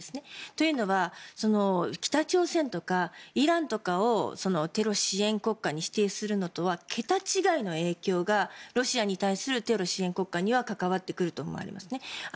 というのは、北朝鮮とかイランとかをテロ支援国家に指定するのとは桁違いの影響がロシアに対するテロ支援国家には関わってくると思われますね。